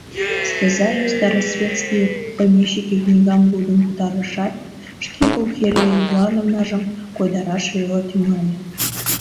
Стозаев «Старосветские помещики» книгам лудын пытарышат, шке «Пульхерья Ивановнажым» койдараш веле тӱҥале.